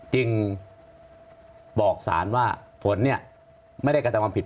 จึงบอกสารว่าฝนไม่ได้กระทำวันผิด